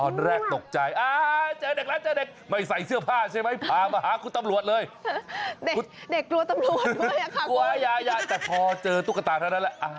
อ๋อนี่ไง